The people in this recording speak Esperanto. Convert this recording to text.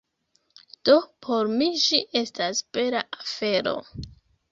do por mi ĝi estas bela afero